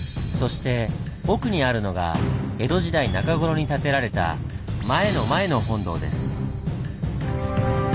そして奥にあるのが江戸時代中頃に建てられた「前の前の本堂」です。